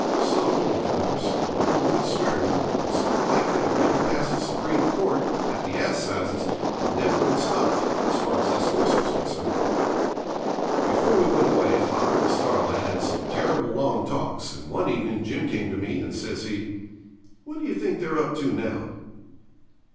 So, of course, no one could swear to him, and Starlight could have ridden past the Supreme Court, at the assizes, and never been stopped, as far as this horse was concerned. Before we went away father and Starlight had some terrible long talks, and one evening Jim came to me, and says he 'What do you think they're up to now?'